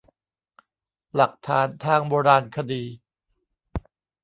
หลักฐานทางโบราณคดี